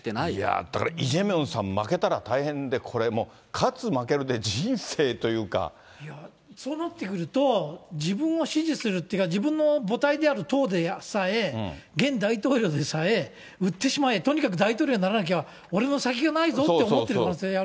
いや、だからイ・ジェミョンさん負けたら大変で、これもう、勝つ、そうなってくると、自分は支持するっていうか、自分の母体である党でさえ、現大統領でさえ、売ってしまえ、とにかく大統領にならなきゃ俺も先がないぞと思っている可能性